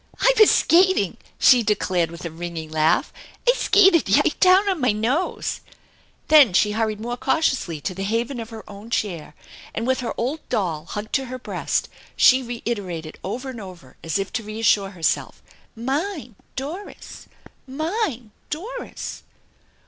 " I vas skating !" she declared with a ringing laugh. " I skated yite down on mine nose/' Then she hurried more cautiously to the haven of her own chair, and with her old doll hugged to her breast she reiterated over and over as if to reassure herself :" Mine I Doris! Mine! Doris